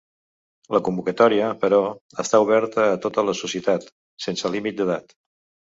La convocatòria, però, està oberta a tota la societat, sense límit d’edat.